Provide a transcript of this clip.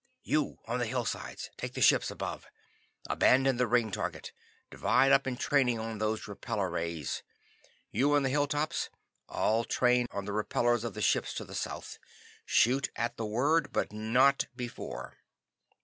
"You, on the hillsides, take the ships above. Abandon the ring target. Divide up in training on those repellor rays. You, on the hilltops, all train on the repellors of the ships to the south. Shoot at the word, but not before.